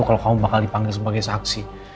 kalau kamu bakal dipanggil sebagai saksi